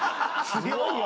強いよ。